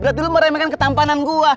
berarti lu meremehkan ketampanan gue